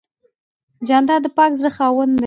جانداد د پاک زړه خاوند دی.